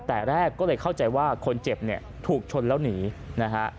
แต่แรกก็เลยเข้าใจว่าคนเจ็บเนี่ยถูกชนแล้วหนีนะฮะ